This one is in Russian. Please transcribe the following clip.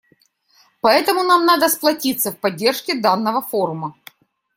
Поэтому нам надо сплотиться в поддержке данного форума.